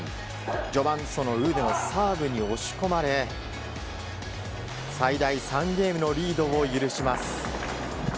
序盤、そのウーデのサーブに押し込まれ最大３ゲームのリードを許します。